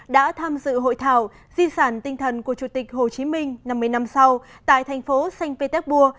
đã tham dự hội thảo di sản tinh thần của chủ tịch hồ chí minh năm mươi năm sau tại thành phố sanh pê téc bua